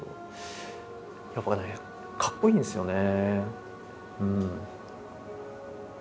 やっぱねかっこいいんですよね。